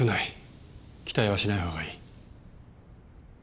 期待はしないほうがいい。